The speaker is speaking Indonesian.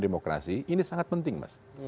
demokrasi ini sangat penting mas